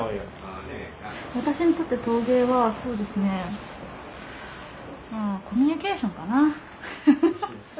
私にとって陶芸はそうですねコミュニケーションかなフフフ。